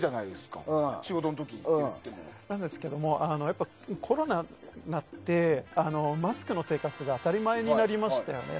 なんですが、コロナ禍になってマスクの生活が当たり前になりましたよね。